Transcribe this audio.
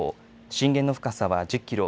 震源の深さは１０キロ。